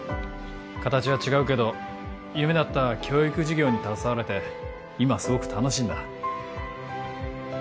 形は違うけど夢だった教育事業に携われて今すごく楽しいんだ